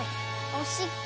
おしっこ。